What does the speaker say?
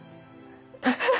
ハハハ。